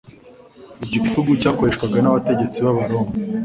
Igitugu cyakoreshwaga n'abategetsi b'Abaroma